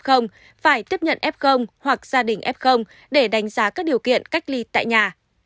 phải tiếp nhận f hoặc gia đình f để đánh giá các điều kiện cách ly tại nhà